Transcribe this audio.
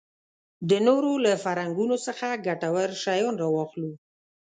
د نورو له فرهنګونو څخه ګټور شیان راواخلو.